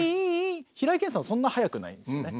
平井堅さんはそんな速くないんですよね。